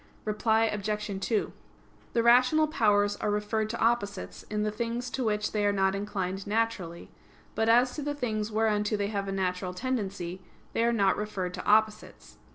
Reply Obj. 2: The rational powers are referred to opposites in the things to which they are not inclined naturally; but as to the things whereunto they have a natural tendency, they are not referred to opposites.